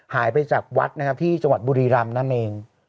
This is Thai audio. หายไปจากวัดนะครับที่จังหวัดบุรีรำนั่นเอง